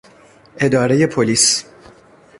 ادارهی پلیس